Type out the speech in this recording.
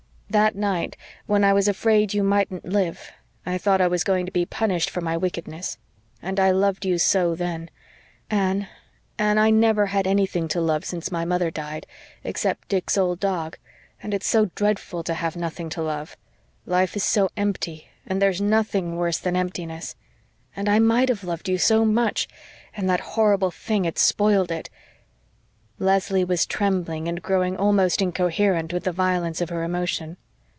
"That night, when I was afraid you mightn't live I thought I was going to be punished for my wickedness and I loved you so then. Anne, Anne, I never had anything to love since my mother died, except Dick's old dog and it's so dreadful to have nothing to love life is so EMPTY and there's NOTHING worse than emptiness and I might have loved you so much and that horrible thing had spoiled it " Leslie was trembling and growing almost incoherent with the violence of her emotion.